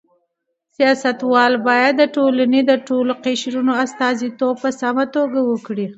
سیاستوال باید د ټولنې د ټولو قشرونو استازیتوب په سمه توګه وکړي.